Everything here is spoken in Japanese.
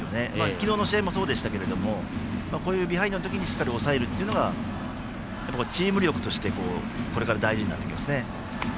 昨日の試合もそうでしたけどビハインドのときにしっかり抑えるというのはチーム力としてこれから大事になってきますね。